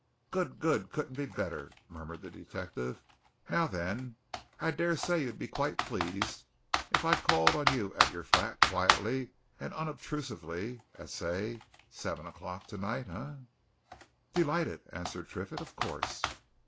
"Good good! couldn't be better!" murmured the detective. "Now then I dare say you'd be quite pleased if I called on you at your flat quietly and unobtrusively at say seven o'clock tonight, eh?" "Delighted!" answered Triffitt. "Of course!"